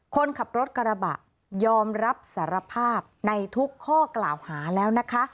คนขับรถกระบะยอมรับสารภาพในทุกข้อกล่าวหาแล้วนะคะ